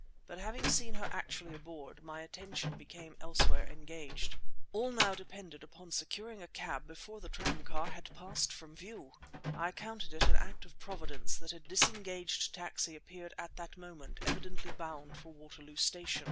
But, having seen her actually aboard, my attention became elsewhere engaged. All now depended upon securing a cab before the tram car had passed from view! I counted it an act of Providence that a disengaged taxi appeared at that moment, evidently bound for Waterloo Station.